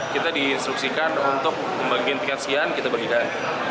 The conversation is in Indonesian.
kita diinstruksikan untuk membagiin tiket sekian kita berhidang